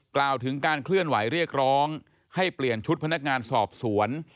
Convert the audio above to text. กล่าวถึงการเคลื่อนไหวเรียกร้องให้เปลี่ยนชุดพนักงานสอบสวน